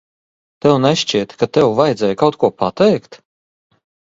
Tev nešķiet, ka tev vajadzēja kaut ko pateikt?